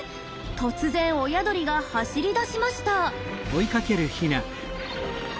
突然親鳥が走り出しました。